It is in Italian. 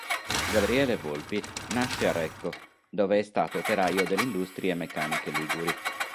Gabriele Volpi nasce a Recco dove è stato operaio delle Industrie Meccaniche Liguri.